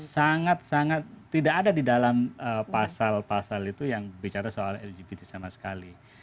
sangat sangat tidak ada di dalam pasal pasal itu yang bicara soal lgbt sama sekali